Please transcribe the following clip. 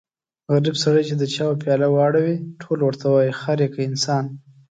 غریب سړی چې د چایو پیاله واړوي ټول ورته وایي خر يې که انسان.